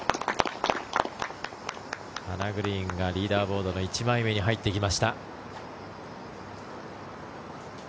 ハナ・グリーンがリーダーボードの１枚目に入ってきました。